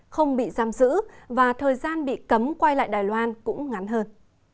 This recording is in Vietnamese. không bị giam giữ và thời gian bị cấm quay lại đài loan cũng ngắn hơn